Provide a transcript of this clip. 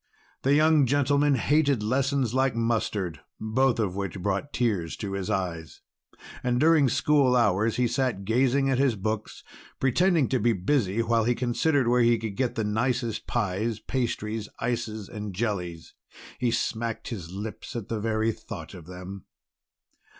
The young gentleman hated lessons like mustard, both of which brought tears to his eyes. And during school hours he sat gazing at his books, pretending to be busy, while he considered where he could get the nicest pies, pastries, ices, and jellies. He smacked his lips at the very thought of them.